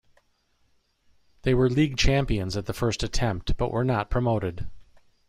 They were league champions at the first attempt, but were not promoted.